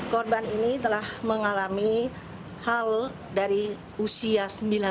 korban ini telah mengalami hal dari usia